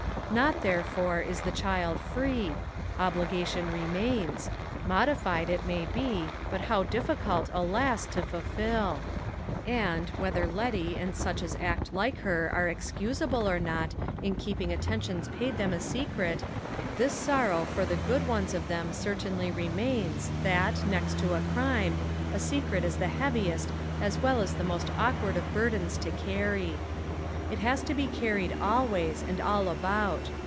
Not, therefore, is the child free; obligation remains modified, it may be, but how difficult, alas, to fulfill! And, whether Letty and such as act like her are excusable or not in keeping attentions paid them a secret, this sorrow for the good ones of them certainly remains, that, next to a crime, a secret is the heaviest as well as the most awkward of burdens to carry. It has to be carried always, and all about.